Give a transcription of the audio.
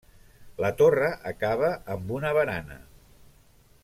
La torre acaba amb una barana.